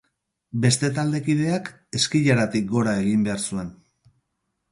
Beste taldekideak eskaileratik gora egin behar zuen.